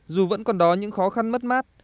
dù vẫn còn đó những khó khăn mất mát